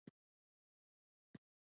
هند به په راتلونکي کې نور هم پرمختګ وکړي.